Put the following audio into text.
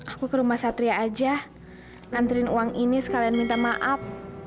aku ke rumah satria aja ngantrin uang ini sekalian minta maaf